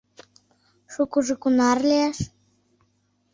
— Шукыжо кунар лиеш?